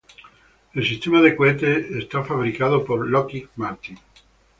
El sistema de cohetes es fabricado por Lockheed Martin.